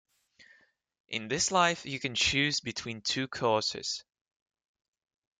In this life, you can choose between two courses.